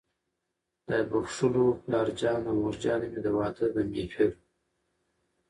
خدای بښلو پلارجان او مورجانې مې، د واده د محفل